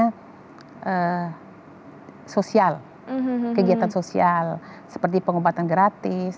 seperti kegiatan sosial seperti pengobatan gratis